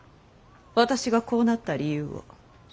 私がこうなった理由を。